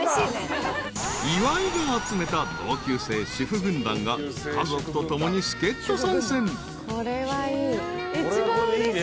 ［岩井が集めた同級生主婦軍団が家族と共に助っ人参戦］